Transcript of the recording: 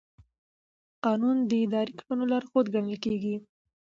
قانون د اداري کړنو لارښود ګڼل کېږي.